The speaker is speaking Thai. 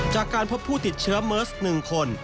จากการพบผู้ติดเชื้อเมิร์ส๑คน